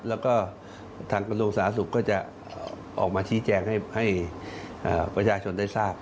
แล้วก็ทางกระทรวงสาธารณสุขก็จะออกมาชี้แจงให้ประชาชนได้ทราบ